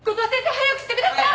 早くしてくださはい！